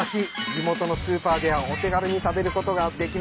地元のスーパーではお手軽に食べることができます。